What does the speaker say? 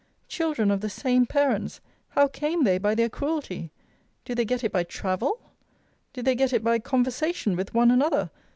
Children of the same parents, how came they by their cruelty? Do they get it by travel? Do they get it by conversation with one another?